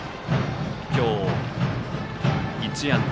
今日、１安打。